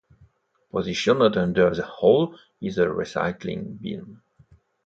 Positioned under the hole is a recycling bin.